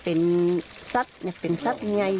เป็นสัตว์เป็นสัตว์ยังไง